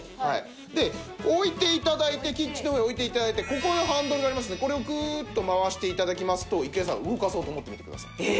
で置いて頂いてキッチンの上置いて頂いてここにハンドルがありますのでこれをグーッと回して頂きますと郁恵さん動かそうと思ってみてください。